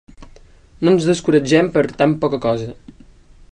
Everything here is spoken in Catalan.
No ens descoratgem per tan poca cosa.